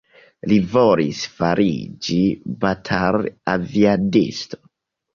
Li volis fariĝi batal-aviadisto.